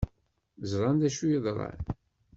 Ẓran d acu yeḍran.